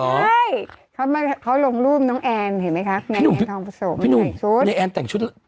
ใช่เขามาเขาลงรูปน้องแอนเห็นไหมคะพี่นุ่มพี่นุ่มนายแอนแต่งชุด